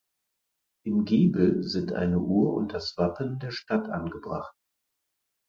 Im Giebel sind eine Uhr und das Wappen der Stadt angebracht.